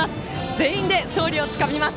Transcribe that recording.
全員で勝利をつかみます。